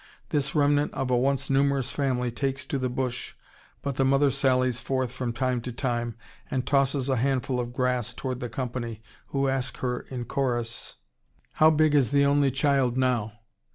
This remnant of a once numerous family takes to the bush, but the mother sallies forth from time to time and tosses a handful of grass toward the company, who ask her in chorus: "How big is the only child now?"